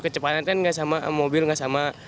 kecepatan kan nggak sama mobil nggak sama